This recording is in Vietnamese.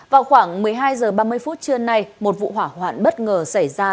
vào khoảng một mươi hai h ba mươi phút trưa nay một vụ hỏa hoạn bất ngờ xảy ra